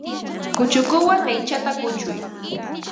Kuchukuwan aychata kuchuy.